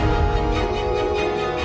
tante itu sudah berubah